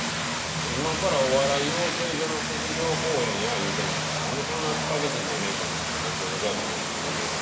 今からお笑い養成所の卒業公演や言うてんのになんでそんなスパゲティのメーカーみたいなレコード会社の奴が来んねん？